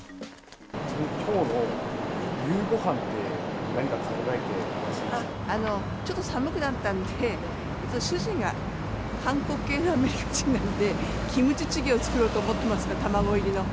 きょうの夕ごはんって、ちょっと寒くなったんで、主人が韓国系のアメリカ人なんで、キムチチゲを作ろうと思ってますが、卵入りの。